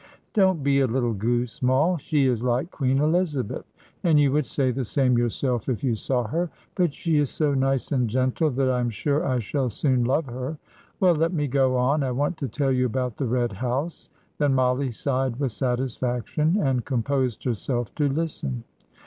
"Don't be a little goose, Moll. She is like Queen Elizabeth, and you would say the same yourself if you saw her; but she is so nice and gentle that I am sure I shall soon love her. Well, let me go on. I want to tell you about the Red House." Then Mollie sighed with satisfaction, and composed herself to listen.